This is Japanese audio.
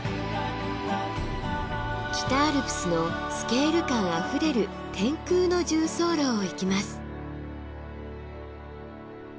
北アルプスのスケール感あふれる天空の縦走路を行きます。